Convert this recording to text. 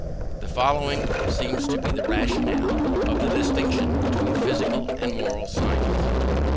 The following seems to be the rationale of the distinction between physical and moral science.